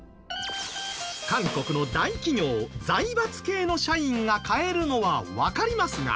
韓国の大企業財閥系の社員が買えるのはわかりますが。